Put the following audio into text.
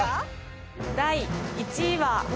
第１位は。